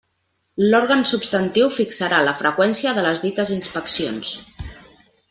L'òrgan substantiu fixarà la freqüència de les dites inspeccions.